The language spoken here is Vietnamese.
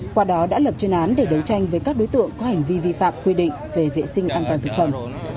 qua đó đã lập chuyên án để đấu tranh với các đối tượng có hành vi vi phạm quy định về vệ sinh an toàn thực phẩm